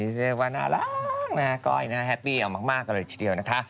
ไว้เรียกว่าน่ารักนะก้อยก็แฮปปี้แหละเรียกภาษาหน่อยสิเดียวนะ